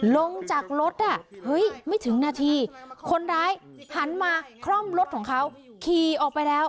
ลงจากรถไม่ถึงนาทีคนร้ายหันมาคร่อมรถของเขาขี่ออกไปแล้ว